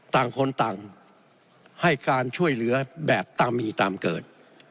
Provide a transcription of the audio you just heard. ต่างคนต่างให้การช่วยเหลือแบบตามมีตามเกิด